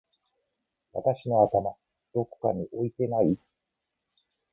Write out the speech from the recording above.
私の頭どこかに置いてない？！